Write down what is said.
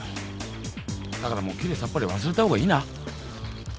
だからもうきれいさっぱり忘れたほうがいいな。